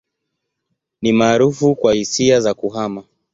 Ni maarufu kwa hisia za kuhama.